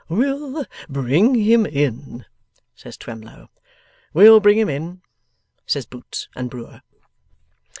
'We'll bring him in!' says Twemlow. 'We'll bring him in!' say Boots and Brewer.